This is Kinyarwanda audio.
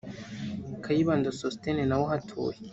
Kayibanda Sostene nawe uhatuye